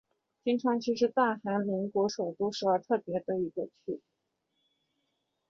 衿川区是大韩民国首都首尔特别市的一个区。